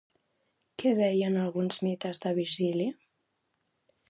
Què deien alguns mites de Virgili?